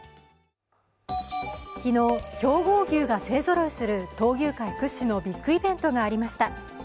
昨日、強豪牛が勢揃いする闘牛界屈指のビッグイベントがありました。